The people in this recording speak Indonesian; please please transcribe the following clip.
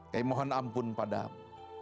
yaimohon ampun padamu